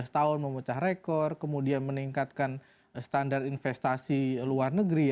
lima belas tahun memecah rekor kemudian meningkatkan standar investasi luar negeri